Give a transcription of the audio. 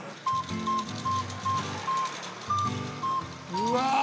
うわ！